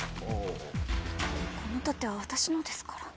この盾は私のですから。